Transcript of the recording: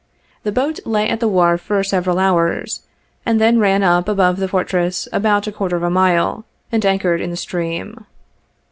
The boat lay at the wharf for several hours, and then ran up above the Fortress about a quarter of a mile, and anchored in the stream.